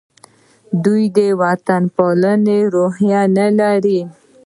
دوی د وطن پالنې روحیه نه لري.